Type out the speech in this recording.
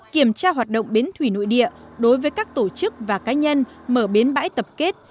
kiểm tra hoạt động bến thủy nội địa đối với các tổ chức và cá nhân mở bến bãi tập kết